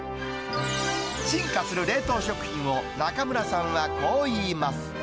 進化する冷凍食品を、中村さんはこう言います。